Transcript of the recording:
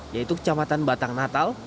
yaitu kecamatan batang natal